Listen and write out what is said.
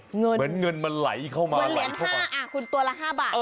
เหมือนเงินมันไหลเมื่อเหรียญ๕ตัวละ๕บาท